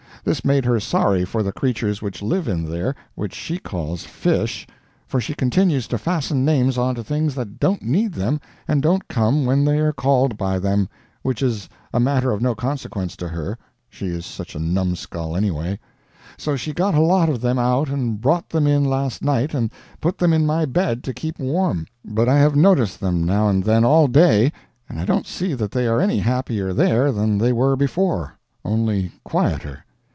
This made her sorry for the creatures which live in there, which she calls fish, for she continues to fasten names on to things that don't need them and don't come when they are called by them, which is a matter of no consequence to her, she is such a numbskull, anyway; so she got a lot of them out and brought them in last night and put them in my bed to keep warm, but I have noticed them now and then all day and I don't see that they are any happier there then they were before, only quieter.